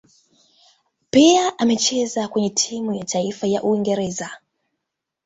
Pia amecheza kwenye timu ya taifa ya Uingereza.